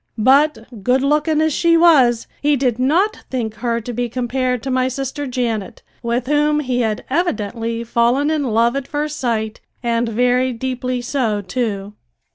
But, good looking as she was, he did not think her to be compared to my sister Janet, with whom he had evidently fallen in love at first sight and very deeply so, too!